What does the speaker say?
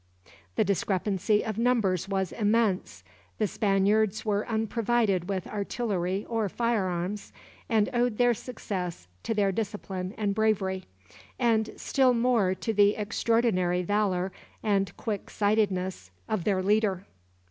The discrepancy of numbers was immense. The Spaniards were unprovided with artillery or firearms, and owed their success to their discipline and bravery, and still more to the extraordinary valor and quick sightedness of their leader.